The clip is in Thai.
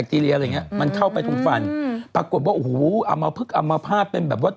ปรากฏว่าโอ้โหเอามาพึกเอามาพาด